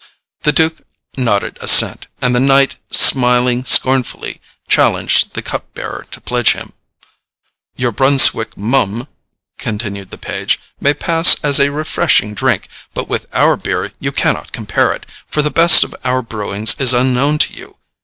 The duke nodded assent, and the knight, smiling scornfully, challenged the cup bearer to pledge him. "Your Brunswick Mumme," continued the page, "may pass as a refreshing drink; but with our beer you cannot compare it, for the best of our brewings is unknown to you.